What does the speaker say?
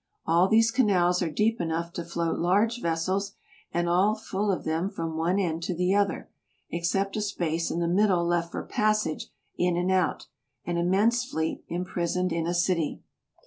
All these canals are deep enough to float large vessels, and all are full of them from one end to the other, except a space in the middle left for passage in and out — an immense fleet imprisoned in a city.